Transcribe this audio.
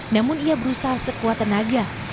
namun ia berusaha sekuat tenaga